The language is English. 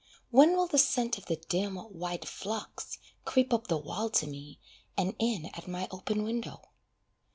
When will the scent of the dim, white phlox Creep up the wall to me, and in at my open window?